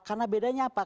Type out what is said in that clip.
karena bedanya apa